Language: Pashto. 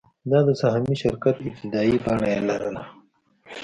دا د سهامي شرکت ابتدايي بڼه یې لرله.